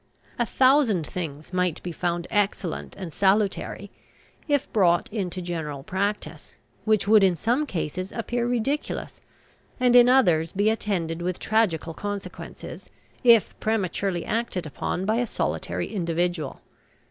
A thousand things might be found excellent and salutary, if brought into general practice, which would in some cases appear ridiculous, and in others be attended with tragical consequences, if prematurely acted upon by a solitary individual.